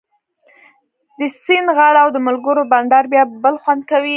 د سیند غاړه او د ملګرو بنډار بیا بل خوند کوي